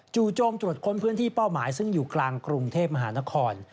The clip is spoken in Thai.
โจมตรวจค้นพื้นที่เป้าหมายซึ่งอยู่กลางกรุงเทพมหานคร